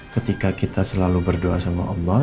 ketika kita selalu berdoa sama allah